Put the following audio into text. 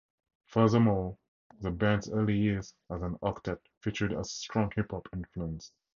Furthermore, the band's early years as an octet featured a strong hip-hop influence.